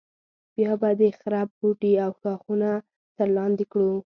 بیا به د خرپ بوټي او ښاخونه تر لاندې کړو.